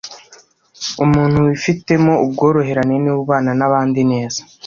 umuntu wifitemo ubworoherane ni we ubana nabandi neza